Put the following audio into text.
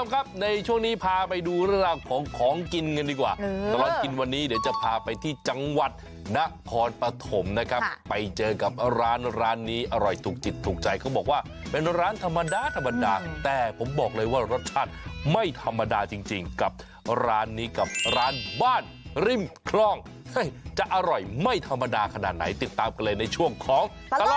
ครับในช่วงนี้พาไปดูเรื่องราวของของกินกันดีกว่าตลอดกินวันนี้เดี๋ยวจะพาไปที่จังหวัดนครปฐมนะครับไปเจอกับร้านร้านนี้อร่อยถูกจิตถูกใจเขาบอกว่าเป็นร้านธรรมดาธรรมดาแต่ผมบอกเลยว่ารสชาติไม่ธรรมดาจริงกับร้านนี้กับร้านบ้านริมคร่องจะอร่อยไม่ธรรมดาขนาดไหนติดตามกันเลยในช่วงของตลอด